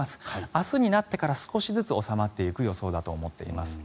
明日になってから少しずつ収まっていく予想だと思っています。